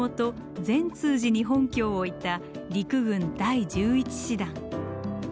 善通寺に本拠を置いた陸軍第１１師団。